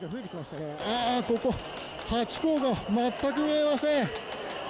えー、ここ、ハチ公が全く見えません。